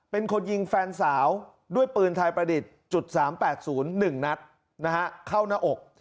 เป็นคนยิงแฟนสาวด้วยปืนไทยประดิษฐ์๓๘๐๑นัดนะฮะเข้าหน้าอก